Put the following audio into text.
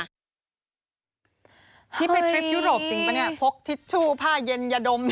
นี่เป็นทริปยุโรปจริงหรือเปล่าเนี่ยพกทิชชู่ผ้าเย็นอย่าดม